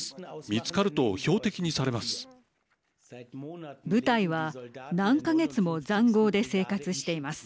見つかると標的にされます。